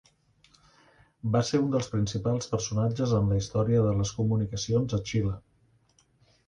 Va ser un dels principals personatges en la història de les comunicacions a Xile.